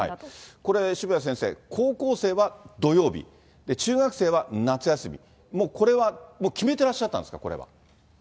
これ、渋谷先生、高校生は土曜日、中学生は夏休み、もうこれは決めてらっしゃったんですか、これは。